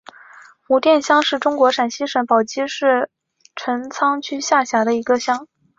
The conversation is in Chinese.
胡店乡是中国陕西省宝鸡市陈仓区下辖的一个乡。